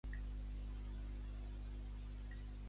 La gamma cromàtica utilitzada és la de roigs foscos.